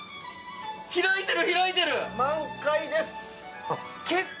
開いてる！